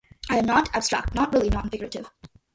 I am not abstract, not really non-figurative.